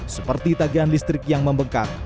seperti tagihan listrik yang membengkak